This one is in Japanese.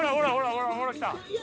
ほらほら来た。